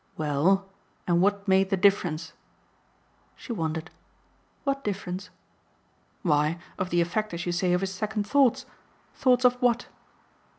"Well, and what made the difference?" She wondered. "What difference?" "Why, of the effect, as you say, of his second thoughts. Thoughts of what?"